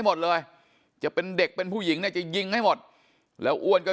หมดเลยจะเป็นเด็กเป็นผู้หญิงเนี่ยจะยิงให้หมดแล้วอ้วนก็